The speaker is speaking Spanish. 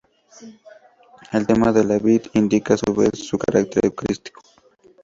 El tema de la vid indica a su vez, su carácter eucarístico.